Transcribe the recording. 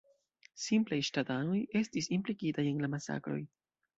Simplaj ŝtatanoj estis implikitaj en la masakroj.